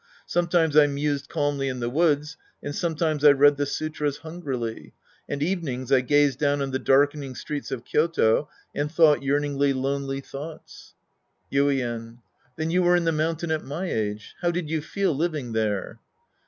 Sometimes I mused calmly in the woods, and sometimes I read the sutras hungrily. And evenings I gazed down on the darkening streets of Kyoto and thought yearningly lonely thoughts. Yiden. Then you were in the mountain at my age. How did you feel living there